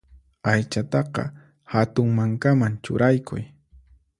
Aychataqa hatun mankaman churaykuy.